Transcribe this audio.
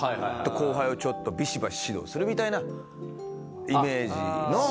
後輩をちょっとビシバシ指導するみたいなイメージの。